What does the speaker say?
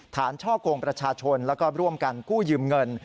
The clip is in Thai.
ช่อกงประชาชนแล้วก็ร่วมกันกู้ยืมเงิน